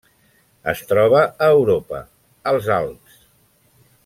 Es troba a Europa, als Alps.